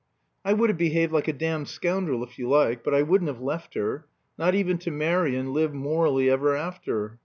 "I would have behaved like a damned scoundrel, if you like. But I wouldn't have left her. Not even to marry and live morally ever after.